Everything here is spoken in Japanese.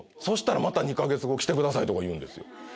そしたらまた２か月後来てくださいとか言うんですよ。